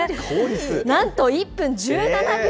なんと１分１７秒。